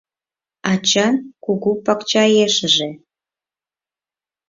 Ачан кугу пакчаэшыже